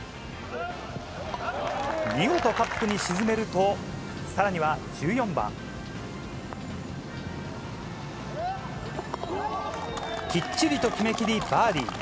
見事、カップに沈めると、さらには１４番、きっちりと決め切りバーディー。